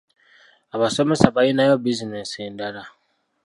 Abasomesa balinayo bizinensi endala.